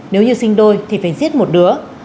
nếu như sinh đôi thì phải giết một đứa